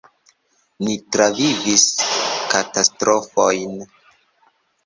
"Ni travivis katastrofojn."